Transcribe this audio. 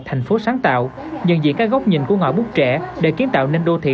thành phố sáng tạo nhận diện các góc nhìn của ngòi bút trẻ để kiến tạo nên đô thị